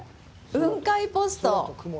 雲海ポスト。